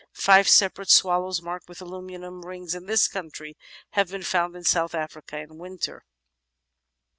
Five separate swallows, marked with aluminium rings in this country, have been found in South Africa in winter.